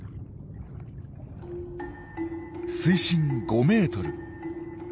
水深５ｍ。